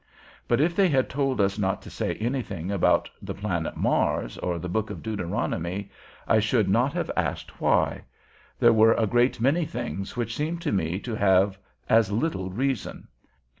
But if they had told us not to say anything about the planet Mars or the Book of Deuteronomy, I should not have asked why; there were a great many things which seemed to me to have as little reason.